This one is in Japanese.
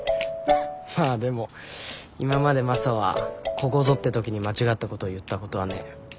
まあでも今までマサはここぞって時に間違ったことを言ったことはねえ。